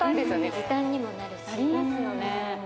時短にもなるし・なりますよね